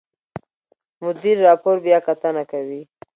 مدیر راپور بیاکتنه کوي.